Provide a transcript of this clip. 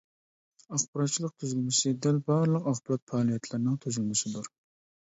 ئاخباراتچىلىق تۈزۈلمىسى دەل بارلىق ئاخبارات پائالىيەتلىرىنىڭ تۈزۈلمىسىدۇر.